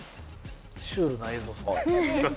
シュールな映像ですね。